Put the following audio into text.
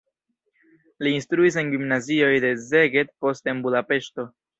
Li instruis en gimnazioj en Szeged, poste en Budapeŝto.